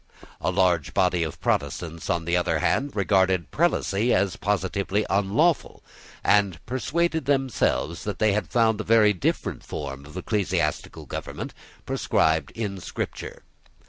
A large body of Protestants, on the other hand, regarded prelacy as positively unlawful, and persuaded themselves that they found a very different form of ecclesiastical government prescribed in Scripture.